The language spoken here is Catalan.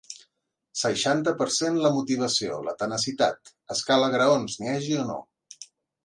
Seixanta per cent La motivació, la tenacitat, escala graons, n’hi hagi o no.